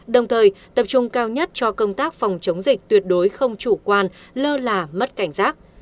đồng thời tập trung cao nhất cho công tác phòng chống dịch tuyệt đối không chủ quan lơ là mất cảnh giác